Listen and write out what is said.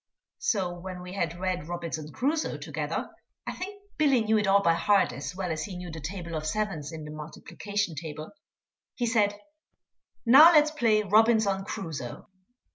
So when we had read Robinson Crusoe together I think Billy knew it all by heart as well as he knew the table of sevens in the multiplication table he said, "Now let's play Robinson Crusoe."